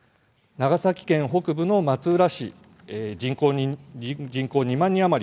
長崎県北部の松浦市は人口２万人余り。